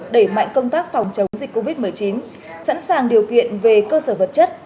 đẩy mạnh công tác phòng chống dịch covid một mươi chín sẵn sàng điều kiện về cơ sở vật chất